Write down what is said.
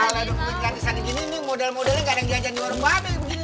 kalau duk buat gratisan gini nih model modelnya gak ada yang diajanin orang mana